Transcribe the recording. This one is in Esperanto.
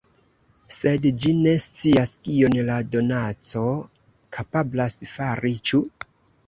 Sed ĝi ne scias, kion la donaco kapablas fari, ĉu?